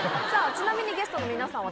ちなみにゲストの皆さんは。